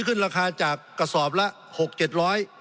สงบจนจะตายหมดแล้วครับ